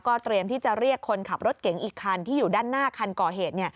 เตรียมที่จะเรียกคนขับรถเก๋งอีกคันที่อยู่ด้านหน้าคันก่อเหตุ